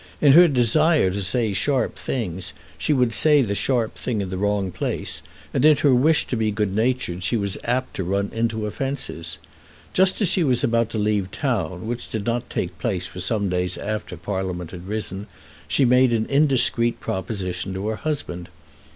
In her desire to say sharp things, she would say the sharp thing in the wrong place, and in her wish to be good natured she was apt to run into offences. Just as she was about to leave town, which did not take place for some days after Parliament had risen, she made an indiscreet proposition to her husband.